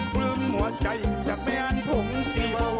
เพลิมหัวใจจากแม่งภงสีโบ